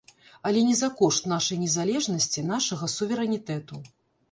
Але не за кошт нашай незалежнасці, нашага суверэнітэту.